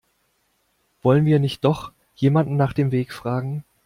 Wollen wir nicht doch jemanden nach dem Weg fragen?